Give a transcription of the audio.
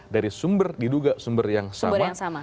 dari sumber yang sama